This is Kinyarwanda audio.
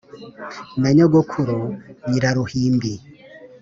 Na nyogokuru Nyiraruhimbi